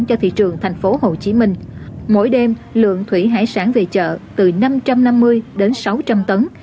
cho thị trường thành phố hồ chí minh mỗi đêm lượng thủy hải sản về chợ từ năm trăm năm mươi đến sáu trăm linh tấn